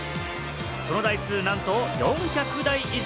その台数なんと４００台以上。